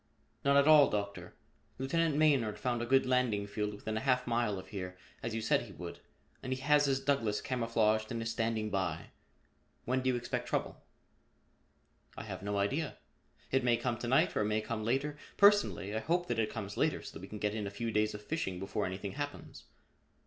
"None at all, Doctor. Lieutenant Maynard found a good landing field within a half mile of here, as you said he would, and he has his Douglass camouflaged and is standing by. When do you expect trouble?" "I have no idea. It may come to night or it may come later. Personally I hope that it comes later so that we can get in a few days of fishing before anything happens."